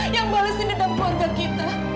yang balesin dendam keluarga kita